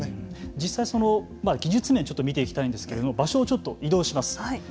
実際その技術面見ていきたいんですけれども場所をちょっと移動します。